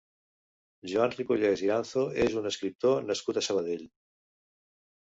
Joan Ripollès Iranzo és un escriptor nascut a Sabadell.